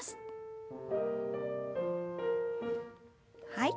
はい。